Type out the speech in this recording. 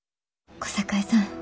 小堺さん。